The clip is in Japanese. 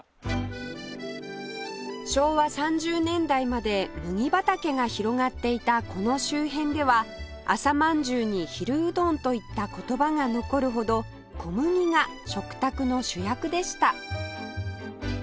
昭和３０年代まで麦畑が広がっていたこの周辺では朝まんじゅうに昼うどんといった言葉が残るほど小麦が食卓の主役でした